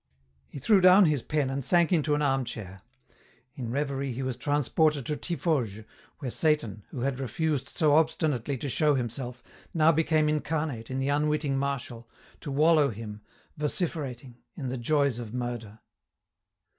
He threw down his pen and sank into an armchair. In revery he was transported to Tiffauges, where Satan, who had refused so obstinately to show himself, now became incarnate in the unwitting Marshal, to wallow him, vociferating, in the joys of murder.